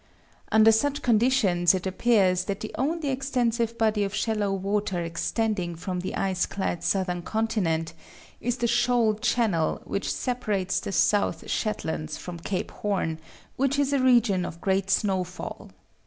Under such conditions, it appears that the only extensive body of shallow water extending from the ice clad southern continent is the shoal channel which separates the South Shetlands from Cape Horn, which is a region of great snowfall.